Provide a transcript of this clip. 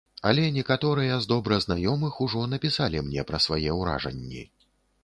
Але некаторыя з добра знаёмых ужо напісалі мне пра свае ўражанні.